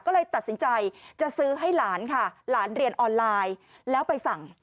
ก็เลยตัดสินใจจะซื้อให้หลานค่ะหลานเรียนออนไลน์แล้วไปสั่ง